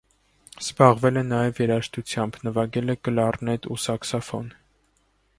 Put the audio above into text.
Զբաղվել է նաև երաժշտությամբ. նվագել է կլառնետ ու սաքսոֆոն։